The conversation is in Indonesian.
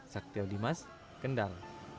saktiw dimas kendal